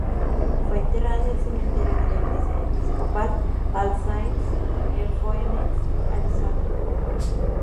Fue enterrada en el cementerio de la Iglesia Episcopal All Saints en Phoenix, Arizona.